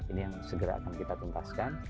ini yang segera akan kita tuntaskan